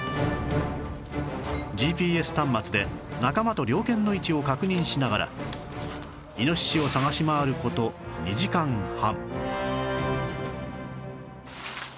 ＧＰＳ 端末で仲間と猟犬の位置を確認しながらイノシシを探し回る事２時間半